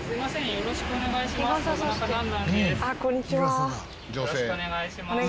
よろしくお願いします。